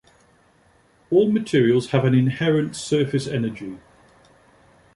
All materials have an inherent surface energy.